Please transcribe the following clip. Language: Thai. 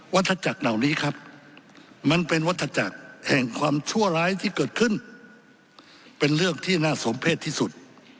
วัตถจักรเหล่านี้ครับมันเป็นวัฒจักรแห่งความชั่วร้ายที่เกิดขึ้นเป็นเรื่องที่น่าสมเพศที่สุด